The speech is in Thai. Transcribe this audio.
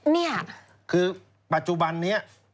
นี่คือปัจจุบันนี้